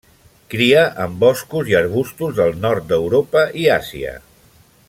Cria en boscos i arbustos del nord d'Europa i Àsia.